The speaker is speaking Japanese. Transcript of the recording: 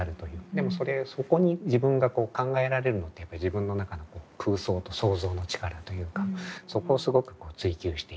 でもそれそこに自分が考えられるのって自分の中の空想と創造の力というかそこをすごく追求している。